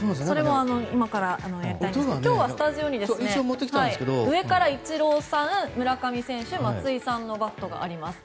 今からやりたいんですが今日はスタジオに上からイチローさん村上選手松井さんのバットがあります。